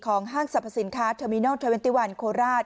ของห้างสรรพสินค้าเทอร์มินัล๒๑โคลราช